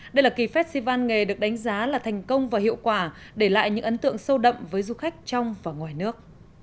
đây là kỳ festival nghề được đánh giá là thành công và hiệu quả để lại những ấn tượng sâu đậm với du khách trong và ngoài nước